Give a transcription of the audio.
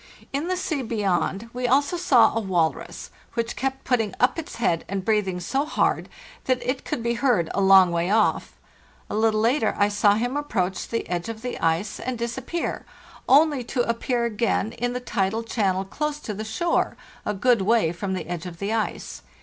In the sea beyond we also saw a walrus, which kept putting up its head and breathing so hard that it could be heard a long way off. <A little later 1 saw him approach the edge of the ice and disappear, only to appear again in the tidal channel close to the shore, a good way from the edge of the ice.